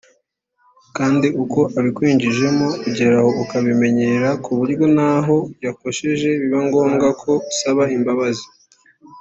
Kandi uko abikwinjizamo ugeraho ukabimenyera ku buryo n’aho yakosheje biba ngombwa ko usaba imbabazi